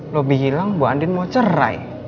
lo bilang bu andin mau cerai